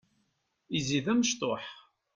Izzi d amecṭuḥ.